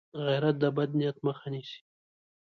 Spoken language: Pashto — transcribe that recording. غیرت د بد نیت مخه نیسي